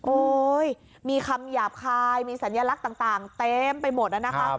โอ้โหมีคำหยาบคายมีสัญลักษณ์ต่างเต็มไปหมดนะคะ